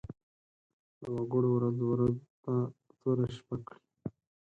د وګړو ورځ ورته توره شپه کړي.